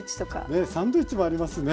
ねえサンドイッチもありますね。